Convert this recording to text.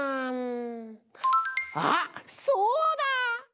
あっそうだ！